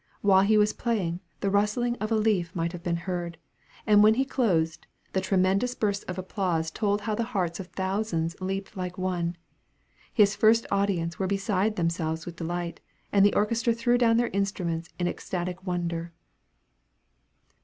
While he was playing, the rustling of a leaf might have been heard; and when he closed, the tremendous bursts of applause told how the hearts of thousands leaped like one. His first audience were beside themselves with delight, and the orchestra threw down their instruments in ecstatic wonder."